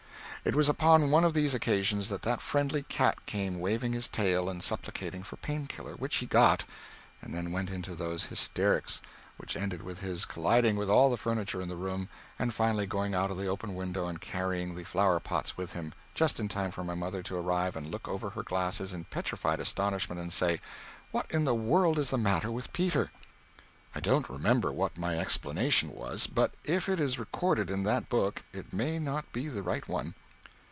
It was upon one of these occasions that that friendly cat came waving his tail and supplicating for Pain Killer which he got and then went into those hysterics which ended with his colliding with all the furniture in the room and finally going out of the open window and carrying the flower pots with him, just in time for my mother to arrive and look over her glasses in petrified astonishment and say, "What in the world is the matter with Peter?" I don't remember what my explanation was, but if it is recorded in that book it may not be the right one.